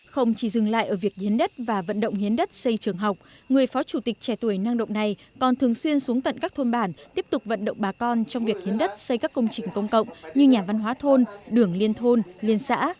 không chỉ dừng lại ở việc hiến đất và vận động hiến đất xây trường học người phó chủ tịch trẻ tuổi năng động này còn thường xuyên xuống tận các thôn bản tiếp tục vận động bà con trong việc hiến đất xây các công trình công cộng như nhà văn hóa thôn đường liên thôn liên xã